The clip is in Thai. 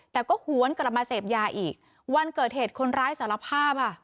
แต่ก็หวนกลับมาเสพยาอีกวันเกิดเหตุคนร้ายสารภาพอ่ะ